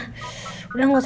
perlengkapan dedek bayi